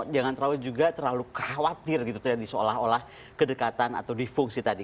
jangan terlalu juga terlalu khawatir gitu terjadi seolah olah kedekatan atau difungsi tadi